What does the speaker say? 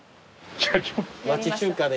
町中華で。